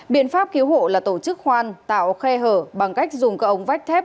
biện pháp cứu hộ là tổ chức khoan tạo khe hở bằng cách dùng các ống vách thép